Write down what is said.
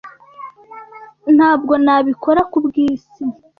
Ntabwo nabikora kubwisi.